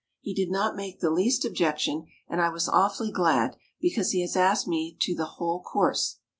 He did not make the least objection and I was awfully glad, because he has asked me to the whole course.